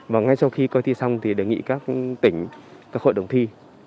và ngay sau khi coi thi xong thì đề nghị các tỉnh các hội đồng thi